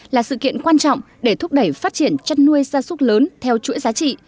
là sự kiện quan trọng để thúc đẩy phát triển chăn nuôi gia súc lớn theo chuỗi giá trị